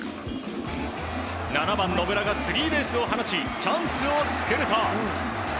７番、野村がスリーベースを放ちチャンスを作ると